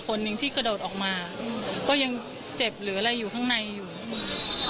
พูดสิทธิ์ข่าวธรรมดาทีวีรายงานสดจากโรงพยาบาลพระนครศรีอยุธยาครับ